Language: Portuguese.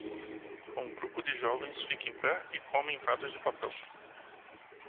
Um grupo de jovens fica em pé e come em pratos de papel.